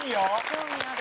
興味ある。